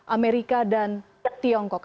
amerika dan tiongkok